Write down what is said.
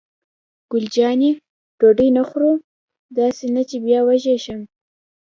ګل جانې: ډوډۍ نه خورو؟ داسې نه چې بیا وږې شم.